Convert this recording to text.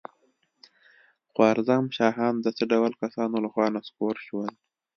خوارزم شاهان د څه ډول کسانو له خوا نسکور شول؟